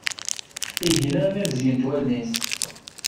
Igen armi bezgent wallen-is.